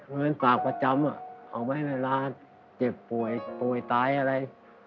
เงินฝากประจำเอาไว้เวลาเจ็บป่วยตายอะไร